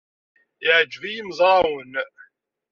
Yeɛjeb i yimezrawen.